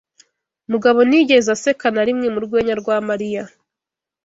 Mugabo ntiyigeze aseka na rimwe mu rwenya rwa Mariya.